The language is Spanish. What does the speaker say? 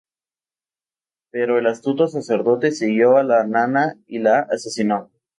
Pero el astuto sacerdote siguió a la nana y la asesinó.